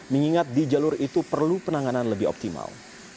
mengingat di jalur itu perlu penanganan lebih optimal